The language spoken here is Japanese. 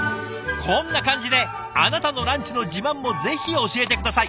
こんな感じであなたのランチの自慢もぜひ教えて下さい。